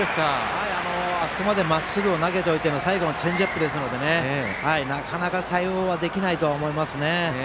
はい、あそこまでまっすぐを投げておいての最後のチェンジアップですのでなかなか対応はできないと思いますね。